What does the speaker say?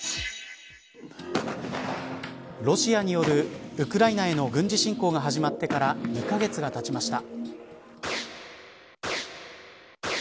ロシアによるウクライナへの軍事侵攻が始まってから２カ月がたちました。